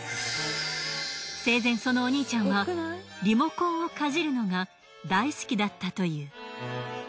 生前そのお兄ちゃんはリモコンをかじるのが大好きだったという。